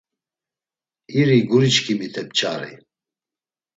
İri guriçkimite p̆ç̆ari.